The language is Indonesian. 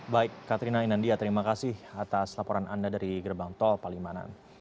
baik katrina inandia terima kasih atas laporan anda dari gerbang tol palimanan